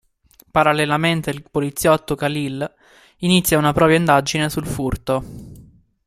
Parallelamente il poliziotto Khalil inizia una propria indagine sul furto.